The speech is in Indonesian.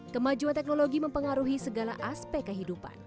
kemajuan teknologi mempengaruhi segala aspek kehidupan